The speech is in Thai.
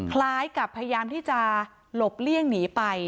คล้ายกับพยายามที่จะหลบเลี่ยงหนีไป